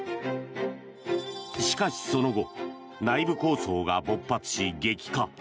しかし、その後内部抗争が勃発し、激化。